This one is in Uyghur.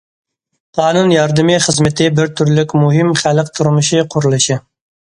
قانۇن ياردىمى خىزمىتى بىر تۈرلۈك مۇھىم خەلق تۇرمۇشى قۇرۇلۇشى.